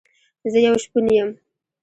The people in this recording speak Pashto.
زه يو شپون يم